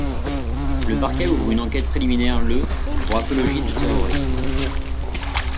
Le parquet ouvre une enquête préliminaire le pour apologie de terrorisme.